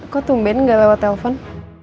kok tumben gak lewat telpon